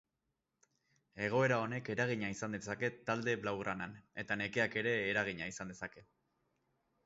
Egoera honek eragina izan dezake talde blaugranan eta nekeak ere eragina izan dezake.